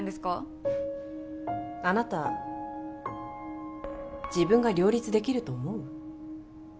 フッあなた自分が両立できると思う？